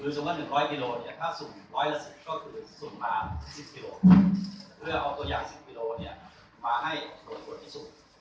คือสมมติหนึ่งร้อยกิโลเนี้ยถ้าสุ่มร้อยละสิบก็คือสุ่มมาสิบกิโลเพื่อเอาตัวอย่างสิบกิโลเนี้ยมาให้หล่นหล่นที่สุด